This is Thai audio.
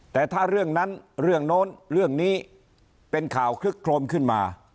แต่ถ้าเรื่องนั้นเรื่องโน้นเรื่องนี้เป็นข่าวคลึกโครมขึ้นมา